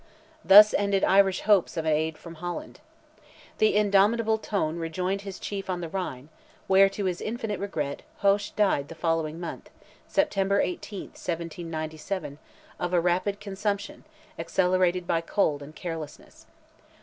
Thus ended Irish hopes of aid from Holland. The indomitable Tone rejoined his chief on the Rhine, where, to his infinite regret, Hoche died the following month—September 18th, 1797—of a rapid consumption, accelerated by cold and carelessness.